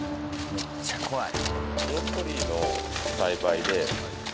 めっちゃ怖い。